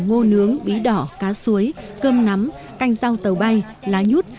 ngô nướng bí đỏ cá suối cơm nắm canh rau tàu bay lá nhút